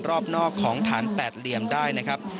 รอบนอกของฐานแปดเหลี่ยมได้นะครับ